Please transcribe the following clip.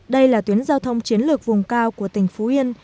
đây là tuyến giao thông chiến lược vùng cao của tỉnh phú yên